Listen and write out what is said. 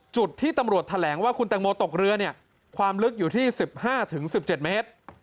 จุดที่ตำรวจแถลงว่าคุณแตงโมตกเรือเนี่ยความลึกอยู่ที่๑๕๑๗เมตร